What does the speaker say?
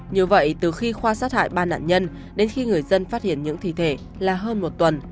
như vậy từ khi khoa sát hại ba nạn nhân đến khi người dân phát hiện những thi thể là hơn một tuần